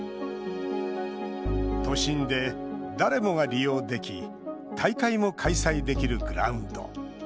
都心で、誰もが利用でき大会も開催できるグラウンド。